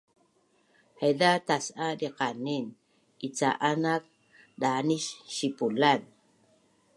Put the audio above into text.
Haiza tas’a diqanin ica’an naak daanis sipulan